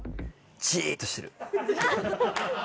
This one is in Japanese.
じーっとしてる。